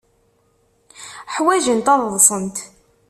Ḥwajent ad ḍḍsent.